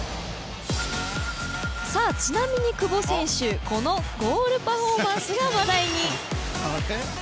ちなみに久保選手このゴールパフォーマンスが話題になっています。